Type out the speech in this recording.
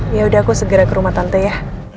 yaudah aku segera ke rumah tante ya